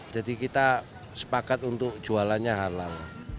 jadi kita sepakat untuk jualannya halal